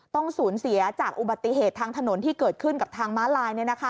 ต้องสูญเสียจากอุบัติเหตุทางถนนที่เกิดขึ้นกับทางม้าลาย